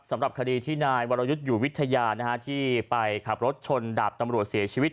สำหรับคดีที่นายวรยุทธ์อยู่วิทยาที่ไปขับรถชนดาบตำรวจเสียชีวิต